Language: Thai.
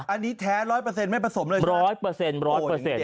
อันนี้แท้๑๐๐ไม่ผสมเลย๑๐๐